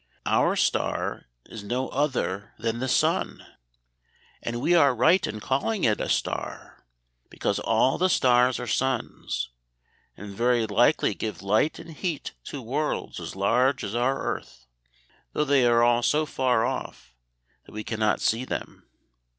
Our star is no other than the sun. And we are right in calling it a star, because all the stars are suns, and very likely give light and heat to worlds as large as our earth, though they are all so far off that we can not see them.